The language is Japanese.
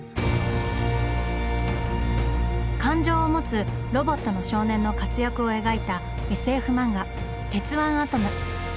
感情を持つロボットの少年の活躍を描いたＳＦ漫画「鉄腕アトム」。